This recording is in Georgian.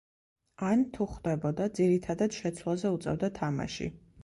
ან, თუ ხვდებოდა, ძირითადად შეცვლაზე უწევდა თამაში.